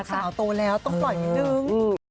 สาวโตแล้วต้องปล่อยนิดนึง